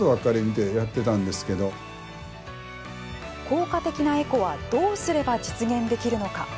効果的なエコはどうすれば実現できるのか。